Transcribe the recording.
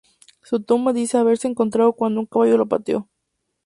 Su tumba dice haberse encontrado cuando un caballo la pateó.